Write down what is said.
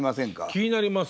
気になります。